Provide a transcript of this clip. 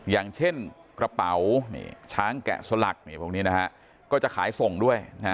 อย่างเช่นกระเป๋าช้างแกะสลักพวกนี้นะฮะก็จะขายส่งด้วย